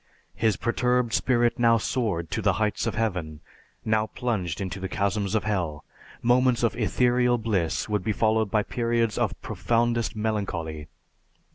His perturbed spirit now soared to the heights of Heaven, now plunged into the chasms of hell. Moments of ethereal bliss would be followed by periods of profoundest melancholy.